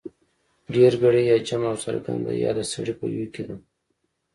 ډېرگړې يا جمع او څرگنده يا د سړي په ویي کې ده